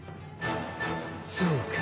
そうか。